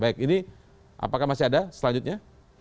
baik ini apakah masih ada selanjutnya